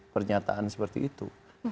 pernyataan seperti itu